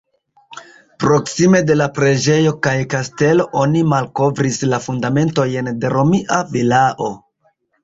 Proksime de la preĝejo kaj kastelo oni malkovris la fundamentojn de romia vilao.